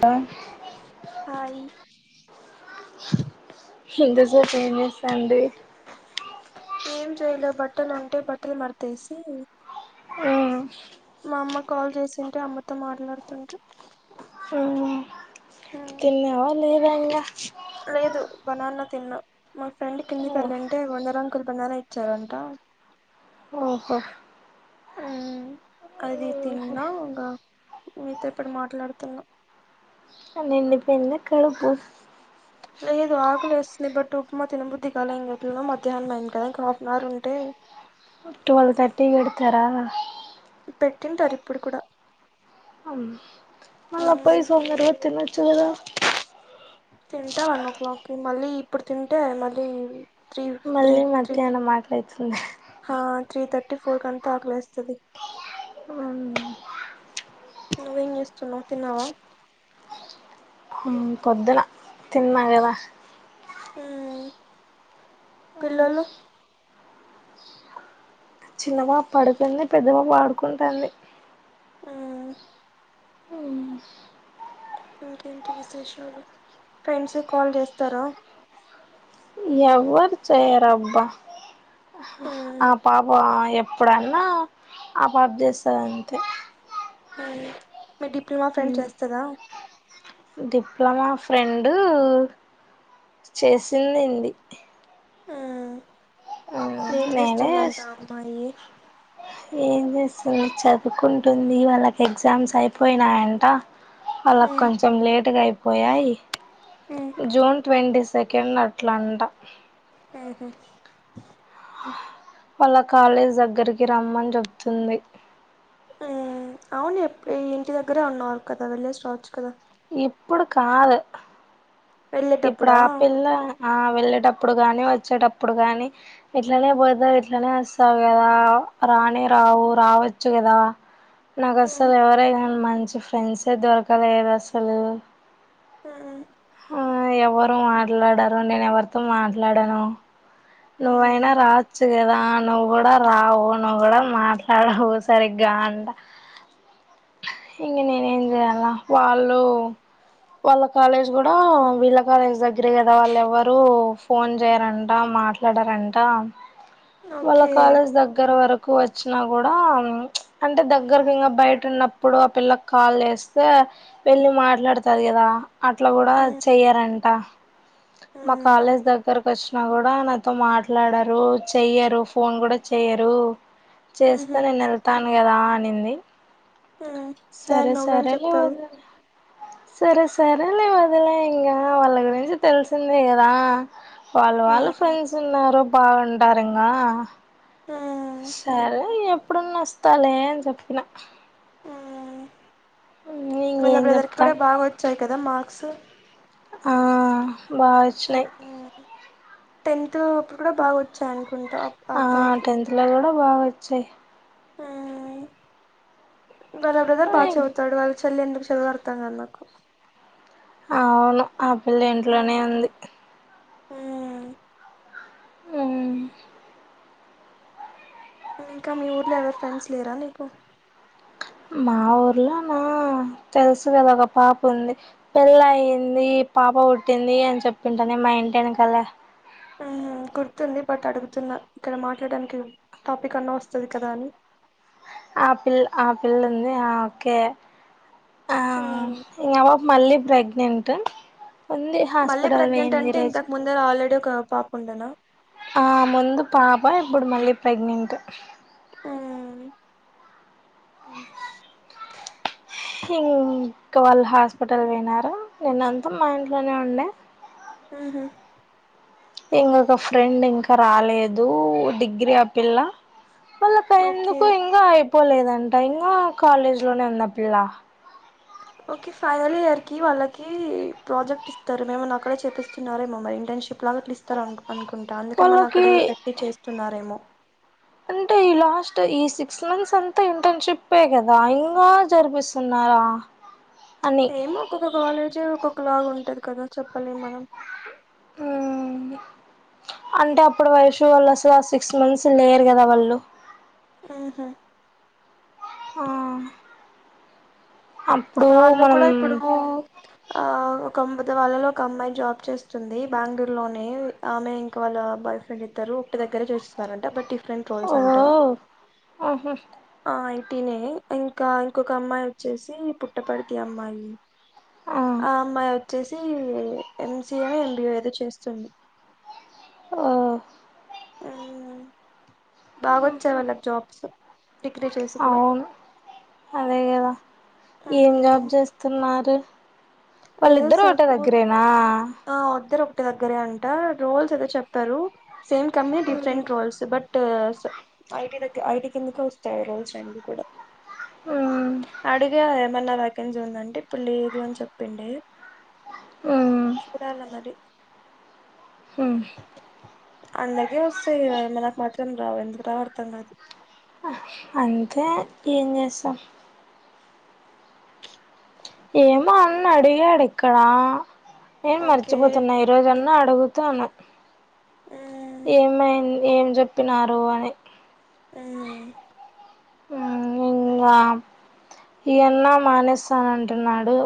త హాయి ఇంతసేపు ఏం చేస్తాంది ఏం చేయలే బట్టలుంటే బట్టలు మాడతేసి మా అమ్మ కాల్ చేసింటే అమ్మతో మాట్లాడుతుంట ఇయ్య వా లేదా ఇంగా లేదు బనాన్న తిన్నా మా ఫ్రెండ్ కిందికి వెళ్ళింటే వందర కుంతన్నారే ఇచ్చారంట ఓహో ఉమ్, అది తిన్నా ఇంగ మీతో ఇప్పుడు మాట్లాడుతున్నా నిండి పోయిందా కడుపు లేదు ఆకలేస్తుంది బట్ ఉప్మా తిన బుద్ధికాలే ఇంగ ఎట్లోనో మధ్యహనం కాదా ఇంకా హాఫ్ అన్ అవర్ ఉంటే ట్వెల్వ్ థర్టీ కి పెడతారా పెట్టింటారు ఇప్పుడు కూడా మళ్ళ పోయి ఉమ్, సొందరగా తినచ్చు కదా తింటే వన్ ఓ క్లాక్కి మళ్ళీ ఇప్పుడు తింటే మళ్ళీ త్రీ త్రీ మళ్ళీ మధ్యాహ్నం త్రీథర్టీ ఆకలైతుంది హ త్రీ థర్టీ ఫోర్ కంతా ఆలేస్తంది నువ్వు ఏం చేస్తున్నావ్ తిన్నావా ఉమ్ పొద్దున తిన్నా గదా ఉమ్ పిల్లలు చిన్న బాబడుకుంది పెద్ద బాబ ఆడుకుంటంది మ్మ్ ఇంకేంటి విశేషాలు ఫ్రెండ్స్క్ కాల్ చేస్తారా ఎవ్వర్ చేయరబ్బా మ్మ్ ఆ పాప ఎప్పుడన్నా ఆబబ్ చేస్తాదంతే మీ డిప్లొమా ఫ్రెండ్ చేస్తదా డిప్లొమా ఫ్రెండు చేసిందింది ఉమ్ ఏేం నేనే చేస్తుందంట అ అమ్మాయి ఏం చేస్తలేద్ చదువుకుంటుంది వాళ్ళకి ఎగ్జామ్స్ అయిపోయినాయంట వాలాక్ మ్మ్ కొంచెం లేట్గా అయిపోయాయి మ్మ్ జూన్ ట్వంటీస్ సెకండ్ అట్లా అంట ఉహ్మ్ వాళ్ళ కాలేజ్ దగ్గరికి రమ్మని చెబ్తుంది ఉమ్ అవును ఎప్ ఈ ఇంటి దగ్గరే ఉన్నారు కదా వెళ్ళేసి రావచ్చు కదా ఇప్పుడు కాద్ ఇప్పుడ వెళ్ళేటప్పుడా ఆ పిల్ల ఆ వెళ్ళేటప్పుడు కానీ వచ్చేటప్పుడు కానీ ఇట్లనే పోతాది ఇట్లనే వస్తావ్ గదా రానె రావు రావచ్చు గదా మ్మ్ నాకస్సల్ ఎవరైనా మంచి ఫ్రెండ్స్ ఎ దొరకలేదస్సలు ఆ అ ఎవరు మాట్లాడరు నేను ఎవరితో మాట్లాడాను నువ్వైనా మ్మ్ రావచ్చు గదా నువ్వు గుడా రావు నువ్వు గుడా మాట్లాడవు సరిగ్గా ంట ఇంగ నెనేంచేయల్లా వాళ్ళు వాళ్ళ కాలేజ్ గుడా వీళ్ళ కాలేజ్ దగ్గరే కదా వాళ్ళు ఎవ్వరు ఫోన్ చేయారంట మాట్ ట్లాడారంట వాళ్ళ ఓకే కాలేజ్ దగ్గర వరక్ ఎక్కువ వచ్చినా గుడా అంటే దగ్గరకి ఇంగా బయట ఉన్నప్పుడు ఆ పిల్లక్ కాల్ చేస్తే వెళ్ళి మాట్లాడుతాది గదా అట్లా గుడా మ్మ్ చెయ్యారంట మా మ్మ్ కాలేజ్ దగ్గరక్ వచ్చినా గుడా మాట్లాడరు చెయరు ఫోన్ కూడా చెయరు చేస్తే మ్హూ నేను వెళ్తా కదా అనింది మ్మ్ సరే దానికి నువ్వేం సరే వ చెప్తావు సరే సరే లే వదిలై ఇంగ వాళ్ళ గురించి తెలిసిందే కదా వాళ్ళు వాళ్ళు మ్మ్ ఫ్రెండ్స్ ఉన్నారూ బాగుంటారింగా సరే ఎప్పుడన్న వస్తాలే అని చెప్పిన వాళ్ళ ఇంగేం బ్రదర్కి చెప్తాం కూడా బాగా వచ్చాయి కదా మార్క్స్ ఆ బాగోచ్చినాయ్ టెన్త్లో అప్పుడు కూడా బాగా వచ్చాయినుకుంటా ఆ అబ్బాయికి బాగొచ్చాయ్ ఆ వాళ్ళ బ్రదర్ బాగా చెవుతాడు వాళ్ళ చెల్లెందుకు చదువో అర్థం కాదు నాకు అవును ఆ పిల్ల ఇంట్లోనే ఉంది ఊ ఊ ఇంకా మీ ఊర్లో ఎవరి ఫ్రెండ్స్ లేరా నీకు మా ఊర్లో నా తెలుసు కదా ఒక పాప ఉంది పెళ్ళయింది ఈ పాప పుట్టింది అని చెప్పింటానే మా ఇంటి యనకాల గుర్తుంది బట్ అడుగుతున్న ఇక్కడ మాట్లాడానికి టాపిక్ అన్నా వస్తది కదా అని ఆ పిల్ ఆ పిల్లుంది ఆ ఓకే ఆ ఇంగ ఆపాప మల్లి ప్రెగ్నెంట్ ఉంది మళ్ళీ హాస్పిటల్ ప్రెగ్నెంట్ పోయింది అంటే ఈరోజు ఇంతకు ముందర ఆల్రెడీ ఒక పాప ఉండేనా ఆ ముందు పాప ఇప్పుడు మళ్ళీ ప్రెగ్నెంట్ ఇంక వాళ్ళ హాస్పిటల్ పోయినారు నిన్న అంతా మా ఇంట్లోనే ఉండే ఉహు ఇంగోక ఫ్రెండ్ ఇంకా రాలేదు డిగ్రీ ఆ పిల్ల వాళ్ళక ఓకే ఎందుకు ఇంగా అయిపోలేదంట ఇంకా కాలేజ్ లోనే ఉన్న పిల్ల ఆ ఓకే ఫైనల్ ఇయర్ కి వాళ్ళకి ప్రాజెక్ట్ ఇస్తారు మేమం నక్కడే చెప్పస్తున్నారేమో ఇంటర్న్షిప్ లో ప్రాజెక్ట్ లు ఇస్తారు అన్ అనుకుంటా అందుకే మని వాళ్ళకి అక్కడే పెట్టి చేస్తున్నారేమో అంటే ఈ లాస్ట్ ఈ సిక్స్ మంత్స్ అంతా ఇంటర్న్షిప్ కదా ఇంగా జరిపిస్ ఆరా ఎమో ఒక్కొక్క కాలేజీ ఒక్కొక్క లాగా ఉంటది కదా చెప్పలేం మనం ఊ అంటే అప్పుడు వైషు వాళ్ళు అసలు ఆ సిక్స్ మంత్స్ లేరు కదా వాళ్ళు ఆహు ఆ అప్పుడు వాళ్ళు మనం కూడా ఇప్పుడు ఆ కొంపతో వాళ్ళలో ఒక అమ్మాయి జాబ్ చేస్తుంది బెంగళూరు లోనే ఆమె ఇంకా వాళ్ళ బాయ్ ఫ్రెండ్ ఇద్దరు ఒకటి దగ్గరే చేసిస్తారంట బట్ డిఫరెంట్ ఓ రోల్స్ అంట ఆహా ఆ ఐటినే ఇంకా ఇంకొక అమ్మాయి వచ్చేసి పుట్టపర్తీ అమ్మాయి ఆ అమ్మాయి వచ్చేసి ఎంసిఏ నో ఎంబిఏ ఏదో చేస్తుంది ఆ ఉమ్ బాగొచ్చాయి వాళ్ళకి జాబ్స్ డిగ్రీ చేసి కూడా అవును అదే కదా ఏం జాబ్ ఉమ్ చేస్తున్నారు ఏదో వాళ్ళిద్దరూ ఒకటే సఫూర్ దగ్గరేనా ఆ వద్దరం దగ్గరే అంట రోల్స్ అయితే చెతారు సేమ్ కమ్ మ్మ్ different roles but toes I IT కిందకి వస్తాయ్ ఆ రోల్స్ రెండు కూడా మ్మ్ అడిగే ఏమన్నా వ్యాకెన్సీ ఉందంటే ఇప్పుడు లేదు అని చెప్తుండే మ్మ్ చూడాలి మరి హ అందర్కి వస్తాయ్ నకు మాత్రం రావు ఎందుకు రావో అర్ధంకాదు అంతే ఏం చేస్తాం ఏమో అన్న అడిగాడు ఇక్కడ నేను ఓకే మర్చిపోతున్నా ఈ రోజన్న అడుగుతాను ఉమ్ ఏమై ఏం చెప్పినారు అని ఉమ్ ఆ ఇంగా ఏనా మానేస్తానంటున్నాడు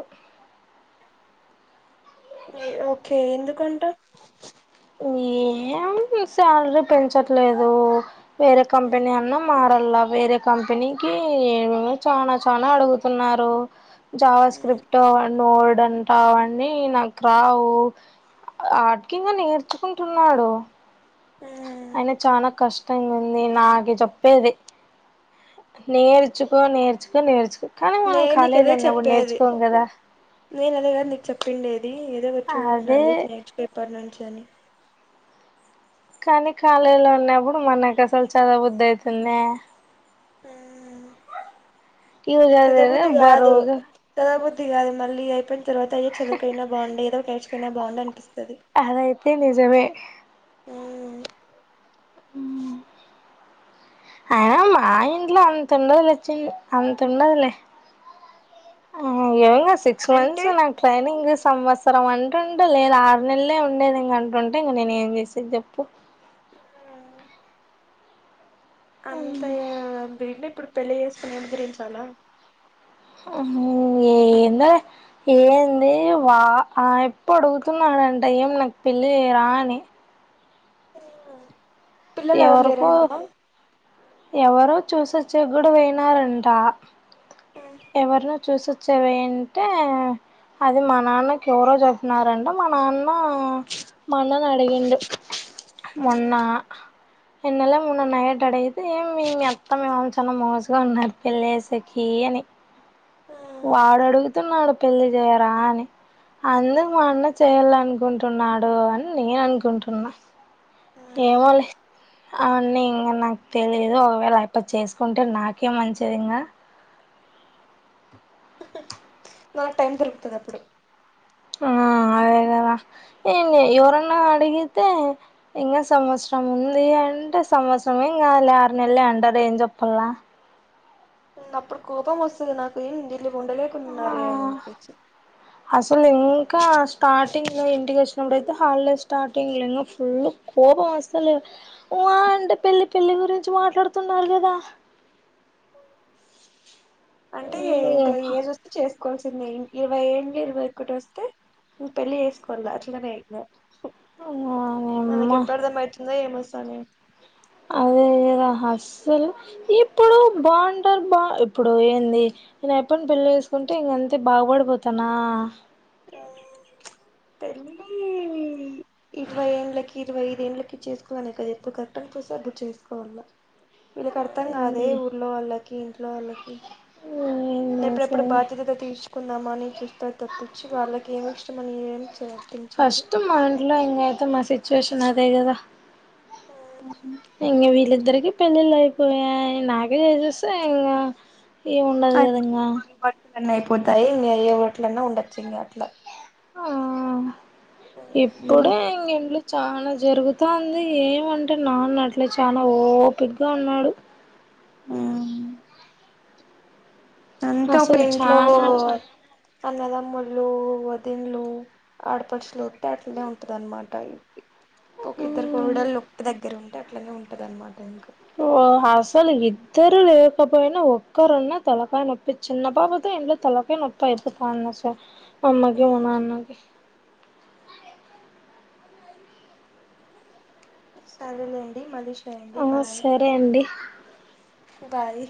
ఓకే ఎందుకంట ఈ ఏం సాలరీలు పెంచట్లేదు వేరే కంపెనీ అన్నా మారలా వేరే కంపెనీకి ఏదో చనా చనా అడుగుతున్నారు జావా స్క్రిప్ట్ నోడ్ ంటావని మాక్ రావు ఆటికి నే తేచ్చకుంటున్నాడు అయిన చాల కష్టం ఉంది నాకు చెప్పేది నేర్చుకో నేర్చుకో నేర్చుకో కానీ మనం నేను నీకు అదే కాాలిగా ఉన్న చెప్పేది నేర్చుకోంకదా నేను అదే కాద నీకుచెప్పుండేది ఏదో వచ్చ అదే [unintelligible] నేర్చుకొ ఇప్పట్నుంచి అని కానీ కళేజీలో ఉన్నప్పుడు మనకు అసలు చదవ బుద్ధి అయితుంద హ ఇవి చదివేదే చదాబుద్ధి కాదు బరువుగా చదాబుద్ధి ది కాదు మళ్ళీ అయిపోయిన తర్వాత అయో చదువు అయినా బొండేది ఏదో కేేచుపోయినా బాగుంది అనిపిస్తుంది అదైతే నిజమే ఆ మా ఇంట్లో అంతండదుచ్చి అంతండదులే ఎమో సిక్స్ అంటే మంత్స్ నాక్ ట్రైనింగు సంవత్సరం అంటుంటా లేదా ఆరు నెలలే ఉండేది ఇంక అంటుంటే ఇంక నేను ఏం చేసేది చెప్పు అంతంటే ఇప్పుడు పెళ్ళి చేసుకుని ఎం ఉద్దరించాల హ్మ్ ఏందే ఏంది వా ఆ అబ్బీ అడుగుతున్నాడంట ఏం నాకు పెళ్లి చేయ్వా అని పిల్లలు ఎవరు లేరంటమా ఎవరొ చూసచ్చగగుడు పోయినారంట ఎవర్నో చూసి చ్చవంటే అది మా నాన్నకి ఎవరో చేపీన్నారంట మా నాన్న మా అన్నని అడిగిండు మొన్నా ఎన్నెల మొన్న నైట్ అడిగితే మీ అత్తమ ఏమో చాలా మోజుగా ఉన్నారు పెళ్లిచేసేకి అని వాడు అడుగుతున్నాడు పెళ్ళి చేయరా అని అందరు వన్నె చేయాల అనుకుంటున్నాడు అని నేను అనుకుంటున్నా ఏమోలే అవున్నీ ఇంకా నాకు తెలియదు ఒకవేళ అట్ట చేసుకుంటే నాకేం మంచిది ఇంగా నాకు టైం దొరుకుతది అప్పుడు ఆ అదే కదా ఎంలే ఎవరన్నా అడిగితే ఇంకా సంవత్సరం ఉంది అంటే సంవత్సరంమే ఇంక ఆరు నెల్లే అంటదేం చెప్పలా అప్పుడు కోపం వస్తుంది నాకు ఏం వీళ్ళు ఉండలేకున్నారే అనిప్పేచి నిం ఇంకా స్టార్టింగ్లో ఇంటికి వచ్చినప్పుడైతే హాలిడే స్టార్టింగ్ ఇంకా ఫుల్ కోపం అసలు ఓ అంటే పెళ్లి పెళ్లి గురించి మాట్లాడుతున్నారు కదా అంటే ఇంకా ఏజ్ ఒస్తే చేస్ కోవాల్సింది ఇరవై ఏండ్లు ఇరవై ఒకటి వస్తే ఇంక పెళ్లి చేేసుకోలే అట్లనే అయి వాయమ్మ మనకి ఎప్పుడర్థం అవుతుందో ఏమోసామి అదేదే దా అస్సలు ఇప్పుడు బాగుంటారు బా ఇప్పుడు ఏంది నేను ఎప్ప పెళ్ల చేసుకుంటే ఇంకంతే బాగుపడిపోతానా పెళ్లి ఇరవై ఏండ్లకి ఇరవై ఐదు ఏండ్లకి చేసుకోవాలనే కదా ఎప్పుడు కరెక్ట్ అనిపిస్తే అప్పుడు చేసుకోవాల అ వీళ్ళకి అర్థం కాదే ఊళ్ళో వాళ్ళకి ఇంట్లో వాళ్ళకి ఏం ఎప్పుడప్పుడు చేసేది బాధ్యతతో తీర్చుకుందామా అని చూస్తారు తప్పించి వాళ్ళకేమి ఇష్టమని ఎం చేయరు గుర్తించారు ఫస్ట్ మా ఇంట్లో ఇంకా అయితే మా సిచ్యువేషన్ అదే కదా అ ఇంగ వీళ్ళిద్దరికి పెళ్ళిళ్ళు నాకే తెల్సి ఇంకా ఏమిండదు కదా ఇంకా న్న అయిపోతాయి మీ అయ్యే ట్లన్నా ఉండొచ్చు ఇంగ అట్లా ఆ ఉమ్ ఇప్పుడే ఇ చానా జరుగుతుంది ఏమంటే నాన్న అట్లే చాలా ఓపిక్గా ఉన్నాడు అంత అప్పుడు అసలు చానా అంటే ఇంట్లోవాళ్లు అన్నదమ్ముళ్ళ వదన్లు ఆడపడుచులుట్టే అట్లానే ఉంటుంద అన్నమాట విల్కి ఒక ఇద్దరు మ్ కోడళ్ళొక్క దగ్గర ఉంటే అట్లానే ఉంటదన్నమాట ఇంకా అసలు ఇద్దరు లేకపోయినా ఒక్కరున్నా తలకాయ నొప్పి చిన్న బాబాయితే ఎందో తలకై నొప్పి అయిపోతాంధశాల వాళ్ళ ఉన్నా అన్నాకి సరేలేండి మలీష ఆ సరే అండి బాయ్